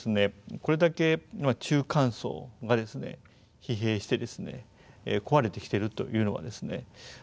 これだけ中間層が疲弊して壊れてきてるというのはですね